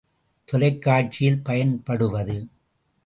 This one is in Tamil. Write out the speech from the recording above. தொலைக் காட்சியில் பயன்படுவது.